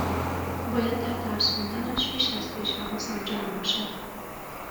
باید در درس خواندنش بیش از پیش حواسم جمع باشد